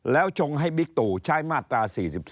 แล้วชงให้บิ๊กตู่ใช้มาตรา๔๔